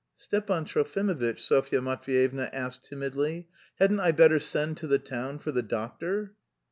"Stepan Trofimovitch," Sofya Matveyevna asked timidly, "hadn't I better send to the town for the doctor?"